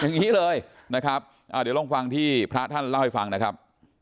อย่างนี้เลยนะครับเดี๋ยวลองฟังที่พระท่านเล่าให้ฟังนะครับ